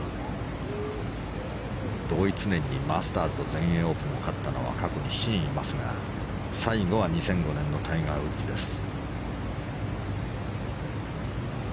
同一年にマスターズと全英オープンを勝ったのは過去に７人いますが最後は２００５年のタイガー・ウッズです。